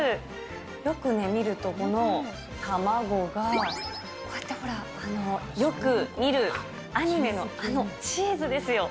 よく見ると、この卵が、こうやってほら、よく見る、アニメのあのチーズですよ。